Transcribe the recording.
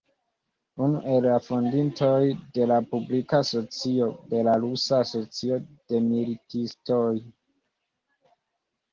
Unu el la fondintoj de la publika asocio "Belarusa Asocio de Militistoj.